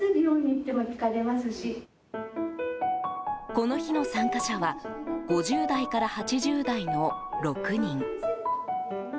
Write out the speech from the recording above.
この日の参加者は５０代から８０代の６人。